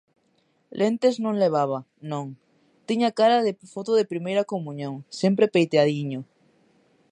Lentes non levaba; non; tiña cara de foto de primeira comuñón, sempre peiteadiño.